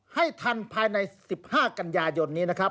ให้ทันภายใน๑๕กันยายนนี้นะครับ